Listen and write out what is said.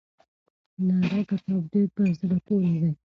نه دا کتاب ډېر په زړه پورې دی.